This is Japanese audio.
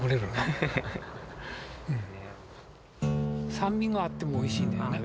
酸味があってもおいしいんだよね。